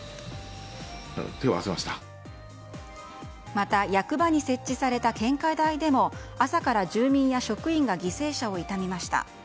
また役場に設置された献花台でも朝から住民や職員が犠牲者を悼みました。